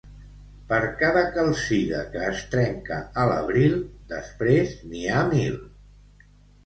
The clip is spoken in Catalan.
Per cada calcida que es trenca a l'abril, després n'hi ha mil.